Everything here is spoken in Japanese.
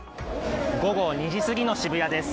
午後２時すぎの渋谷です。